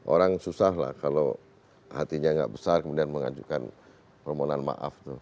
orang susah lah kalau hatinya nggak besar kemudian mengajukan permohonan maaf